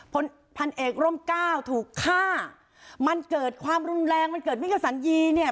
พันพันเอกร่มก้าวถูกฆ่ามันเกิดความรุนแรงมันเกิดมิกษันยีเนี่ย